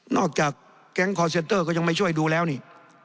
จากแก๊งคอร์เซนเตอร์ก็ยังไม่ช่วยดูแล้วนี่